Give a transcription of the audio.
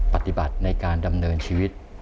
ปฏิบัติในการดำเนินชีวิต